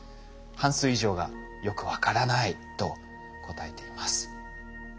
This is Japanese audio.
半数以上が「よく分からない」と答えています。